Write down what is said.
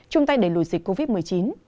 chung tay đẩy lùi dịch covid một mươi chín